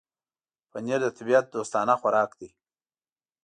پنېر د طبيعت دوستانه خوراک دی.